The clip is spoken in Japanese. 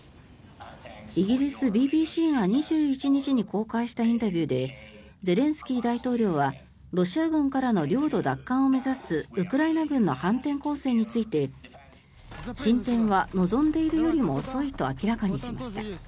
イギリスＢＢＣが２１日に公開したインタビューでゼレンスキー大統領はロシア軍からの領土奪還を目指すウクライナ軍の反転攻勢について進展は望んでいるよりも遅いと明らかにしました。